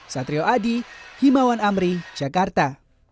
satrio adi himawan amri jakarta